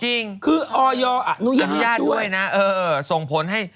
จริงคือออยอนุญาตด้วยนะเออส่งผลให้